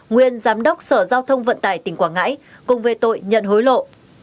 nguyên giám đốc sở giao thông vận tải tỉnh quảng ngãi cùng về tội nhận hối lộ